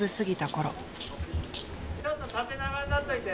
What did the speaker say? ちょっと縦長になっといて。